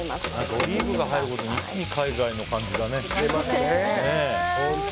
オリーブが入ることで一気に海外の感じが出ますね。